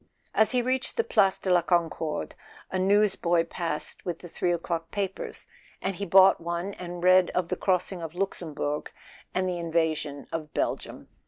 As he reached the Place de la Concorde a newsboy passed with the three o'clock papers, and he bought one and read of the crossing of Luxembourg and the invasion of Belgium.